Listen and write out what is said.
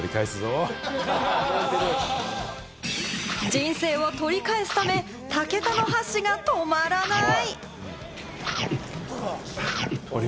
人生を取り返すため、武田の箸が止まらない！